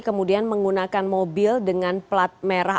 kemudian menggunakan mobil dengan plat merah